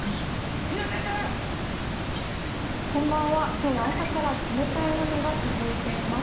今日は朝から冷たい雨が続いています。